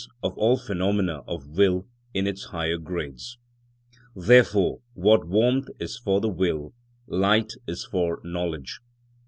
_, of all phenomena of will in its higher grades. Therefore, what warmth is for the will, light is for knowledge.